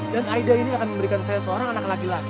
dan aida ini akan memberikan saya seorang anak laki laki